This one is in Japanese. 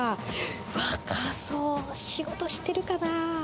若そう、仕事してるかな？